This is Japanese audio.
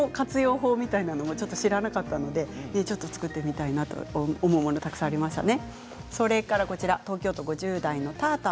法みたいなのも知らなかったのでちょっと作ってみたいなと思うもの、たくさんありましたね。